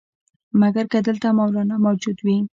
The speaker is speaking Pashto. مګر که دلته مولنا موجود وي.